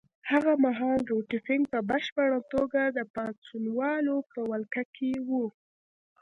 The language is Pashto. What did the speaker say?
هغه مهال روټي فنک په بشپړه توګه د پاڅونوالو په ولکه کې وو.